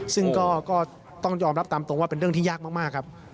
ซึ่งก็ต้องยอมรับตามตรงว่าเป็นเรื่องที่ยากมากครับ